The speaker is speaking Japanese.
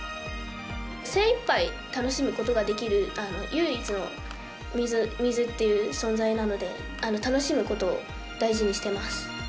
精いっぱい楽しむことができる唯一の水っていう存在なので楽しむことを大事にしています。